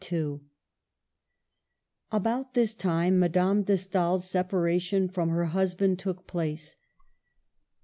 About this time Madame de Stael's separation from her husband took place.